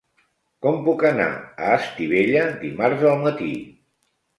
Com puc anar a Estivella dimarts al matí?